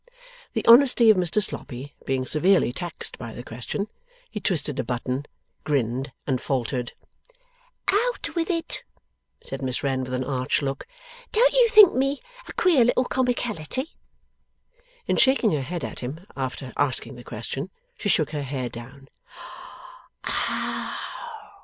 The honesty of Mr Sloppy being severely taxed by the question, he twisted a button, grinned, and faltered. 'Out with it!' said Miss Wren, with an arch look. 'Don't you think me a queer little comicality?' In shaking her head at him after asking the question, she shook her hair down.